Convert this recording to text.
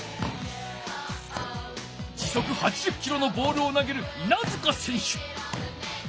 時そく８０キロのボールをなげる稲塚選手。